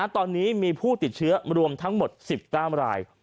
ตอนนี้มีผู้ติดเชื้อรวมทั้งหมด๑๙ราย